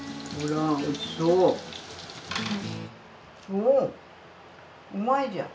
おおうまいじゃん。